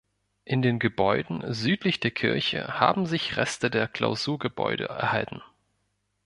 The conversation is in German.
In den Gebäuden südlich der Kirche haben sich Reste der Klausurgebäude erhalten.